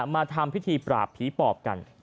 มาทำพิธีปราบผีปอบกัน